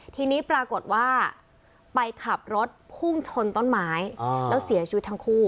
ทีนี้ปรากฏว่าไปขับรถพุ่งชนต้นไม้แล้วเสียชีวิตทั้งคู่